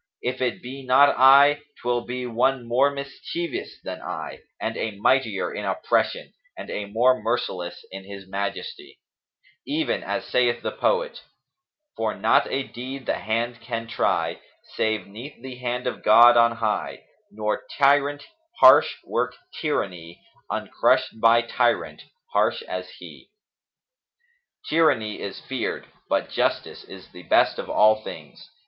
If it be not I, 'twill be one more mischievous than I and a mightier in oppression and a more merciless in his majesty; even as saith the poet:[FN#280]— 'For not a deed the hand can try Save 'neath the hand of God on high, Nor tyrant harsh work tyranny Uncrushed by tyrant harsh as he.' Tyranny is feared: but justice is the best of all things.